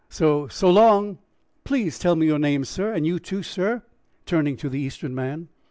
So, so long." "Please tell me your name, sir, and you, too, sir," turning to the Eastern man.